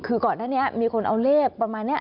คือก่อนหน้านี้มีคนเอาเลขประมาณนี้